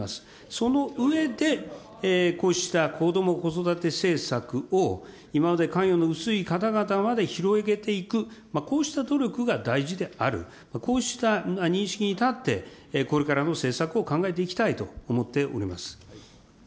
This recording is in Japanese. その上で、こうしたこども・子育て政策を今まで関与の薄い方々まで広げていく、こうした努力が大事である、こうした認識に立って、これからの政策を考えていきたいと思っております。